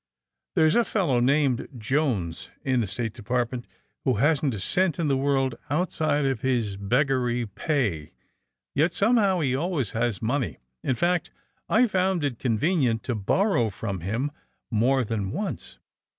There's a fellow named Jones in the State Department, who hasn't a cent in the world outside of his beggarly pay, yet some how he always has money. In fact, I've found it convenient to borrow from him more than once.